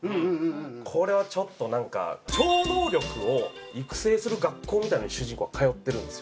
これはちょっとなんか超能力を育成する学校みたいなのに主人公は通ってるんですよ。